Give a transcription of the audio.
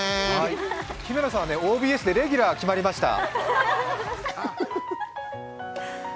姫野さんはＯＢＳでレギュラー決まりました。